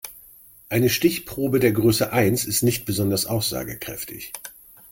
Eine Stichprobe der Größe eins ist nicht besonders aussagekräftig.